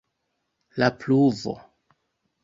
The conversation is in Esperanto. La pluvo.